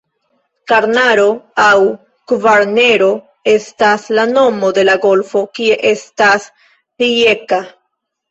Karnaro aŭ Kvarnero estas la nomo de la golfo kie estas Rijeka.